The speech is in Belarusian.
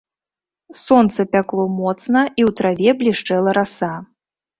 Сонца пякло моцна, і ў траве блішчэла раса.